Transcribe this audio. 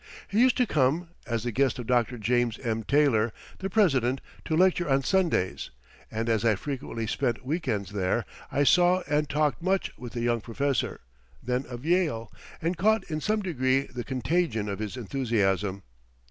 He used to come, as the guest of Dr. James M. Taylor, the president, to lecture on Sundays; and as I frequently spent week ends there, I saw and talked much with the young professor, then of Yale, and caught in some degree the contagion of his enthusiasm.